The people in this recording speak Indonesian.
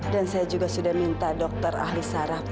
dan saya juga sudah minta dokter ahli sarap